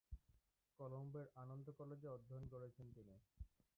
কলম্বোর আনন্দ কলেজে অধ্যয়ন করেছেন তিনি।